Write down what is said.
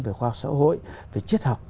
về khoa học xã hội về triết học